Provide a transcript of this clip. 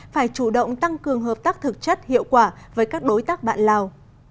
phải chủ động tăng cường hợp tác thực chất hiệu quả với các đối tác bạn lào